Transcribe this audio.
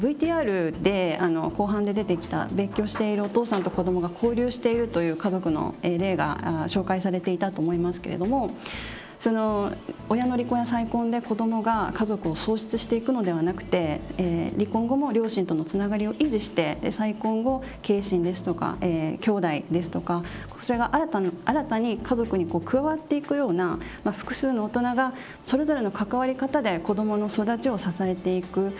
ＶＴＲで後半で出てきた別居しているお父さんと子どもが交流しているという家族の例が紹介されていたと思いますけれどもその親の離婚や再婚で子どもが家族を喪失していくのではなくて離婚後も両親とのつながりを維持して再婚後継親ですとかきょうだいですとかそれが新たに家族に加わっていくような複数の大人がそれぞれの関わり方で子どもの育ちを支えていく。